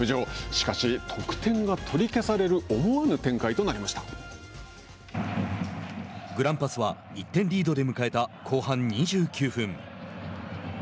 しかし、得点が取り消されるグランパスは１点リードで迎えた後半２９分。